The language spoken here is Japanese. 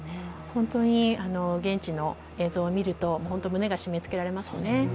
本当に現地の映像を見ると胸が締めつけられますね。